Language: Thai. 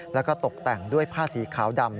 แล้วก็ตกแต่งด้วยผ้าสีขาวดำ